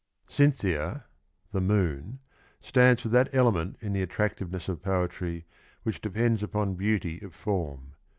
Cynthia (the moon) stands for that element in the attractiveness of poetry which depends upon beauty of form.